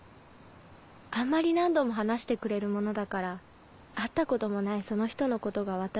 あんまり何度も話してくれるものだから会ったこともないその人のことが私だんだん好きになって来てしまって。